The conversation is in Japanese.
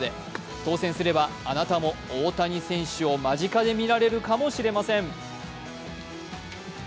当せんすれば、あなたも大谷選手を身近で見られるかもしれません。